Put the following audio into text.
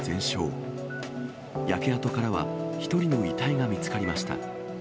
焼け跡からは１人の遺体が見つかりました。